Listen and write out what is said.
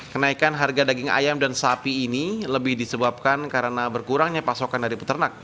kenaikan harga daging ayam dan sapi ini lebih disebabkan karena berkurangnya pasokan dari peternak